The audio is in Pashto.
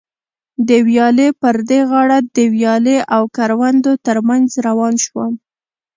د ویالې پر دې غاړه د ویالې او کروندو تر منځ روان شوم.